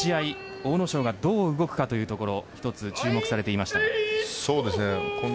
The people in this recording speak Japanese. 阿武咲がどう動くかというところ一つ注目されていましたね。